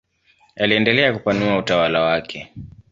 Aliendelea kupanua utawala wake.